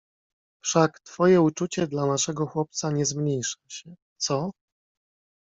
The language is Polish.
"Wszak twoje uczucie dla naszego chłopca nie zmniejsza się, co?"